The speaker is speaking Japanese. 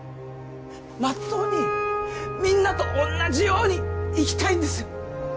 まっとうにみんなとおんなじように生きたいんですよ。